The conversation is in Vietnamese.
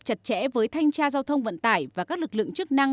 an toàn giao thông vận tải và các lực lượng chức năng